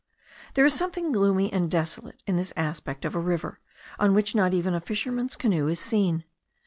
There is something gloomy and desolate in this aspect of a river, on which not even a fisherman's canoe is seen.